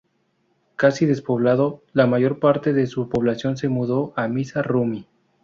Casi despoblado, la mayor parte de su población se mudó a Misa Rumi.